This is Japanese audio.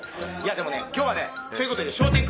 でもね今日はということで。